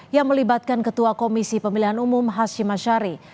yang melibatkan ketua komisi pemilihan umum hashim ashari